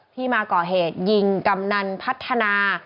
ที่มาก่อเหตุยิงกำนันพัฒนา